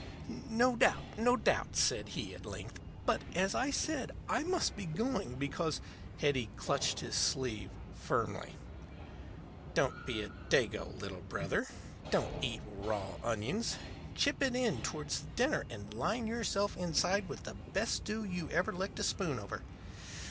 "No doubt; no doubt," said he, at length. "But, as I said, I must be going, because " Hetty clutched his sleeve firmly. "Don't be a Dago, Little Brother. Don't eat raw onions. Chip it in toward the dinner and line yourself inside with the best stew you ever licked a spoon over.